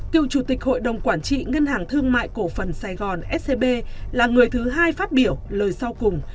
cựu chủ tịch hội đồng quản trị ngân hàng thương mại cổ phần sài gòn scb là người thứ hai phát biểu lời sau cùng